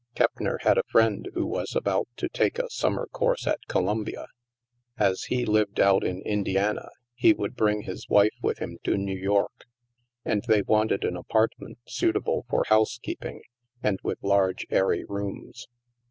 Keppner had a friend who was about to take a summer course at Columbia. As he lived out in Indiana, he would bring his wife with him to New York; and they wanted an apartment suitable for housekeeping, and with large airy rooms.